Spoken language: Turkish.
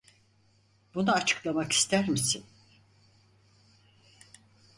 Bunu açıklamak ister misin?